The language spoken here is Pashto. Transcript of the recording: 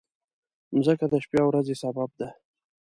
مځکه د شپې او ورځې سبب ده.